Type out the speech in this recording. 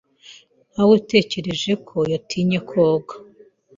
Nawetekereje ko yatinye koga.